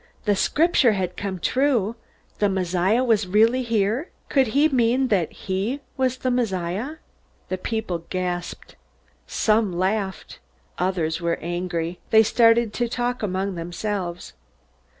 The Scripture had come true? The Messiah was really here? Could he mean that he was the Messiah? The people gasped. Some laughed. Others were angry. They started to talk among themselves.